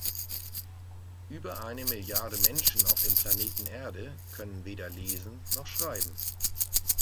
Über eine Milliarde Menschen auf dem Planeten Erde können weder lesen noch schreiben.